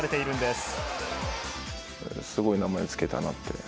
すごい名前を付けたなって。